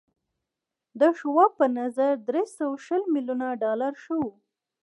د شواب په نظر درې سوه شل ميليونه ډالر ښه و